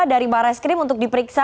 dari barai skrim untuk diperiksa